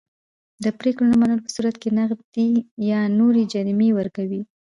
د پرېکړې نه منلو په صورت کې نغدي یا نورې جریمې ورکوي.